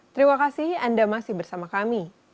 terima kasih anda masih bersama kami